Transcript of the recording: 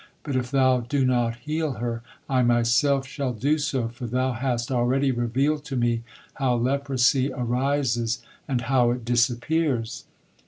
But if Thou do not heal her, I myself shall do so, for Thou hast already revealed to me, how leprosy arises and how it disappears."